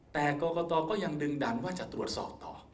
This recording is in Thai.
แต่กรกตก็ยังดึงดันว่าจะตรวจสอบต่อ